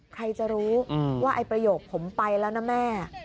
ใครจะรู้ว่าไอ้ประโยคผมไปแล้วนะแม่